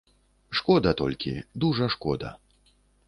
Шкода толькі, дужа шкода.